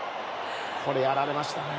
これ、やられましたね。